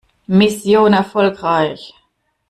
Mission erfolgreich!